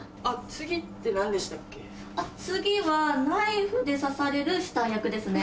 次はナイフで刺される死体役ですね。